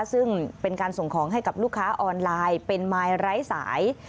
ซึ่งเป็นการส่งของให้กับลูกค้าออนไลน์เป็นมายไร้สาย